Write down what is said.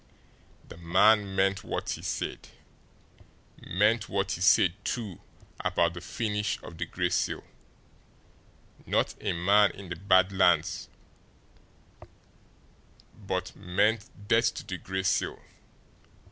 The man meant what he said, meant what he said, too, about the "finish" of the Gray Seal; not a man in the Bad Lands but meant death to the Gray Seal!